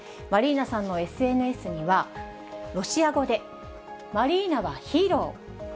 マリーナさんのＳＮＳには、ロシア語で、マリーナはヒーロー！